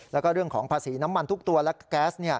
แล้วก็เรื่องของภาษีน้ำมันทุกตัวและแก๊ส